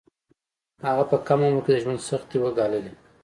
هغه په کم عمر کې د ژوند سختۍ وګاللې